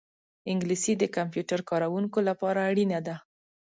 انګلیسي د کمپیوټر کاروونکو لپاره اړینه ده